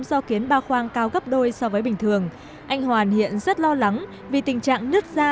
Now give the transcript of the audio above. do kiến ba khoang cao gấp đôi so với bình thường anh hoàn hiện rất lo lắng vì tình trạng nước da